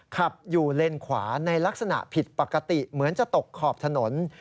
ขับอยู่เลนขวาในลักษณะผิดปกติเหมือนจะตกขอบถนน